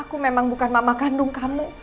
aku memang bukan mama kandung kamu